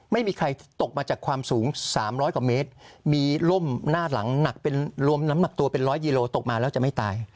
ไม่มีใครตกมาจากความสูง๓๐๐กว่าเมตรมีล่มหน้าหลังหนักเป็นรวมน้ำหนักตัวเป็นร้อยกิโลตกมาแล้วจะไม่ตาย